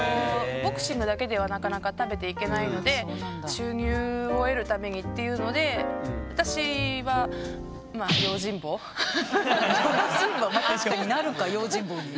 ボクシングだけではなかなか食べていけないので収入を得るためにっていうので私はまあ確かになるか用心棒に。